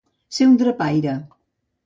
Ser un drapaire.